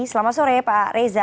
selamat sore pak reza